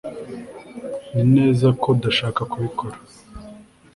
nzi neza ko udashaka kubikora